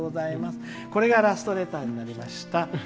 これがラストレターになりました。